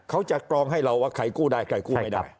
จะกรองให้เราว่าใครกู้ได้ใครกู้ไม่ได้